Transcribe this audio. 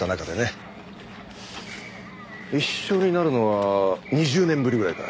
一緒になるのは２０年ぶりぐらいか。